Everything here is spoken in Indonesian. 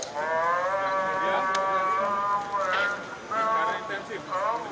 kita tidak lagi dengan kegiatan polis